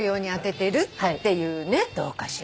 どうかしら。